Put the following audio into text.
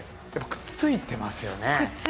くっついてますね。